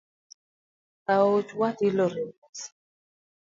Aoch wat ilore mos